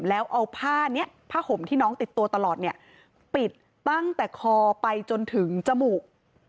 แล้วเอาผ้าห่มที่น้องติดตัวตลอดปิดตั้งแต่คอไปจนถึงจมูก